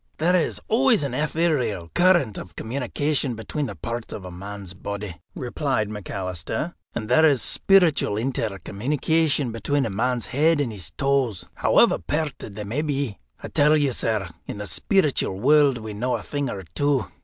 "There is always an etherial current of communication between the parts of a man's body," replied McAlister, "and there is speeritual intercommunication between a man's head and his toes, however pairted they may be. I tell you, sir, in the speeritual world we know a thing or two."